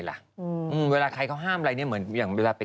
เขาก็มึงปีนลาน